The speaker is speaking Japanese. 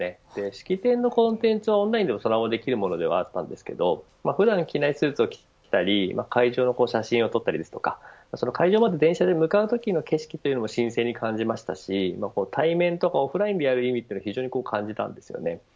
式典のコンテンツはオンラインでもそのままできるものでもあったんですが普段着ないスーツを着たり会場の写真を撮ったりですとか会場まで電車で向かうときの景色というのも新鮮に感じましたし対面とかオフラインでやる意味を非常に感じたんですよね。